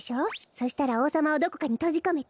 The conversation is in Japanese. そしたらおうさまをどこかにとじこめて。